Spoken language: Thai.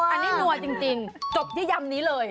อันนี้นัวจริงจบที่ยำนี้เลย